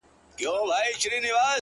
گراني خبري سوې پرې نه پوهېږم ـ